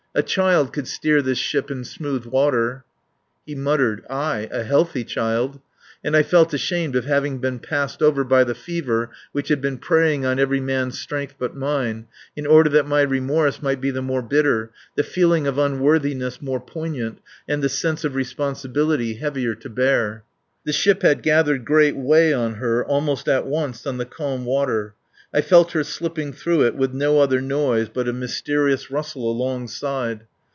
A child could steer this ship in smooth water." He muttered: "Aye! A healthy child." And I felt ashamed of having been passed over by the fever which had been preying on every man's strength but mine, in order that my remorse might be the more bitter, the feeling of unworthiness more poignant, and the sense of responsibility heavier to bear. The ship had gathered great way on her almost at once on the calm water. I felt her slipping through it with no other noise but a mysterious rustle alongside.